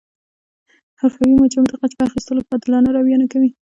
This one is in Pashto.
حرفوي مجرم د غچ په اخستلو کې عادلانه رویه نه کوي